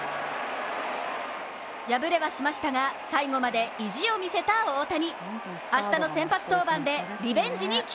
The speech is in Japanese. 敗れはしましたが最後まで意地を見せた大谷。